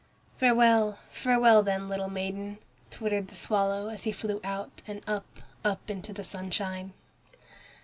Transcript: "Farewell! farewell! then, little maiden," twittered the swallow as he flew out and up, up into the sunshine.